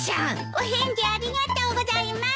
お返事ありがとうございます。